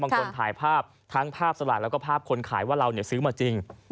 ถ่ายภาพทั้งภาพสลากแล้วก็ภาพคนขายว่าเราซื้อมาจริง